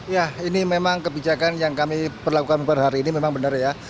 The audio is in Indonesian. ya ini memang kebijakan yang kami perlakukan per hari ini memang benar ya